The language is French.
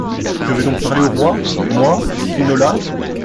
Je vais donc parler au roi, moi, Quinola.